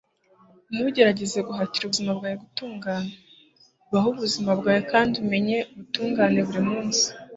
ntugerageze guhatira ubuzima bwawe gutungana. baho ubuzima bwawe kandi umenye ubutungane burimunsi